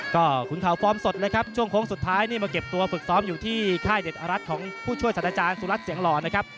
ก็ขุนข่าวฟอร์มสดเลยครับช่วงโค้งสุดท้ายนี่มาเก็บตัวฝึกซ้อมอยู่ที่ค่ายเด็ดอรัฐของผู้ช่วยสัตว์อาจารย์สุรัสตเสียงหล่อนะครับ